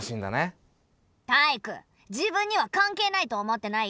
タイイク自分には関係ないと思ってない？